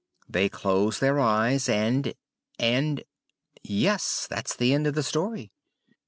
They closed their eyes, and and ! Yes, that's the end of the story!